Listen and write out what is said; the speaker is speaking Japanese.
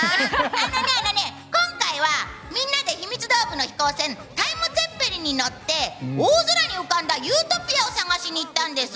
あのね、今回はみんなでひみつ道具の「タイムツェッペリン」に乗って大空に浮かんだユートピアを探しに行ったんです。